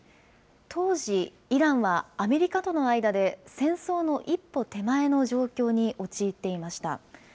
当時、イランはアメリカとの間で戦争の一歩手前の状況に陥っていました。